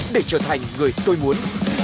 để trở thành người tôi muốn